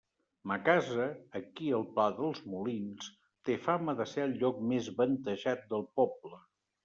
Ma casa, ací al pla dels Molins, té fama de ser el lloc més ventejat del poble.